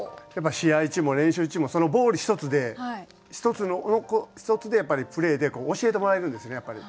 やっぱ試合中も練習中もそのボール一つで一つでプレーで教えてもらえるんですね。